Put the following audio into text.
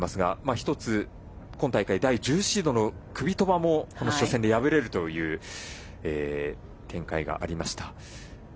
１つ、今大会第１０シードのクビトバもこの初戦で敗れるという展開がありました。